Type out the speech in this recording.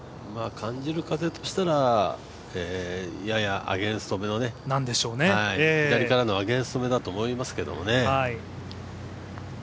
感じる風したらややアゲンストめの、左からのアゲンストだと思いますけどね。